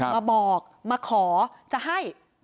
มาบอกมาขอจะให้